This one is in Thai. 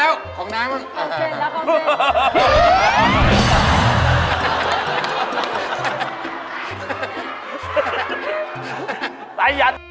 มันได้รวมขึ้นที่สัน